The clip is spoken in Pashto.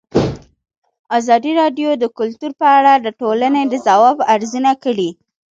ازادي راډیو د کلتور په اړه د ټولنې د ځواب ارزونه کړې.